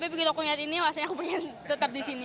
tapi bikin aku nyari ini alasannya aku pengen tetap disini